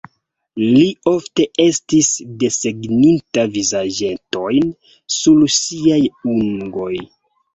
Li ofte estis desegninta vizaĝetojn sur siaj ungoj.